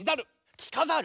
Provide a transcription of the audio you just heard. きかざる。